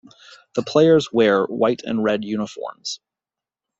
The players wear white and red uniforms.